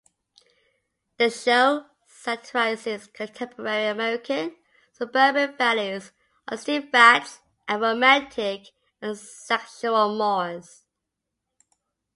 The show satirizes contemporary American suburban values, artistic fads and romantic and sexual mores.